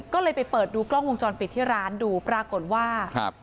ก็เลยไปเปิดดูกล้องวงจรปิดที่ร้านดูปรากฏว่าครับ